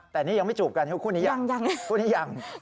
แต่นี่ยังไม่จูบกันคู่นี้ยัง